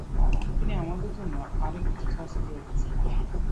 তিনি আমাদের জন্য অনেক কিছু চয়েস করে রেখেছেন।